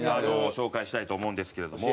紹介したいと思うんですけれども。